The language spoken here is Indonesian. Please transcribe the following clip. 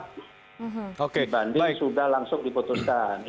dibanding sudah langsung diputuskan